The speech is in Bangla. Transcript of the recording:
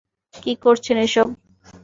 কি করছেন এসব?